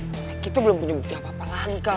mereka itu belum punya bukti apa apa lagi kak